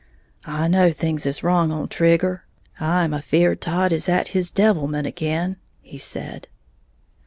"I know things is wrong on Trigger, I am afeared Todd is at his devilment again," he said.